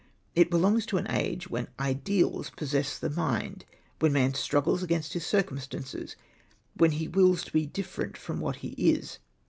It belongs to an age when ideals possess the mind, when man struggles against his circum stances, when he wills to be different from what he is.